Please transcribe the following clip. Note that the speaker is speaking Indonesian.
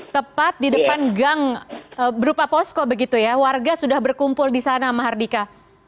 tepat di depan gang berupa posko begitu ya warga sudah berkumpul di sana mahardika